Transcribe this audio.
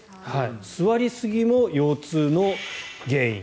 座りすぎも腰痛の原因。